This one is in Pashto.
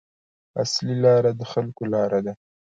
اصلي لاره د خلکو لاره ده.